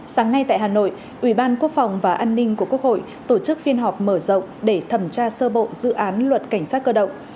sáng nay tại hà nội ủy ban quốc phòng và an ninh của quốc hội tổ chức phiên họp mở rộng để thẩm tra sơ bộ dự án luật cảnh sát cơ động